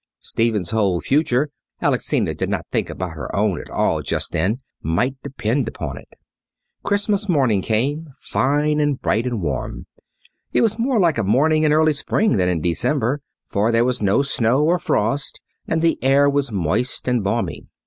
Stephen's whole future Alexina did not think about her own at all just then might depend on it. Christmas morning came, fine and bright and warm. It was more like a morning in early spring than in December, for there was no snow or frost, and the air was moist and balmy.